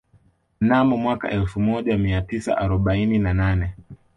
Mnamo mwaka elfu moja mia tisa arobaini na nane